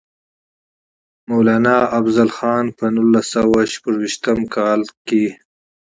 مولانا افضل خان پۀ نولس سوه شپږيشتم کال کښې